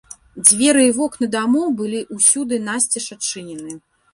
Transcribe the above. Дзверы і вокны дамоў былі ўсюды насцеж адчынены.